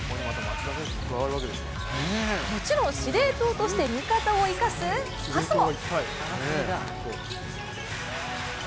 もちろん、司令塔として味方を生かすパスも。